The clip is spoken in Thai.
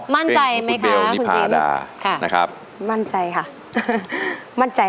มั่นใจไหมคะคุณซิม